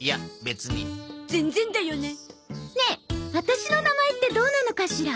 ねえワタシの名前ってどうなのかしら？